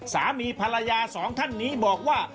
สามีภรรยาสองท่านนี้บอกว่า